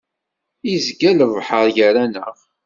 Izga lebḥer gar-aneɣ.